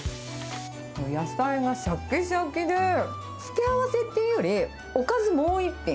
野菜がしゃきしゃきで、付け合わせっていうよりおかず、もう一品。